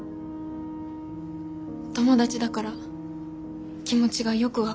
友達だから気持ちがよく分かる。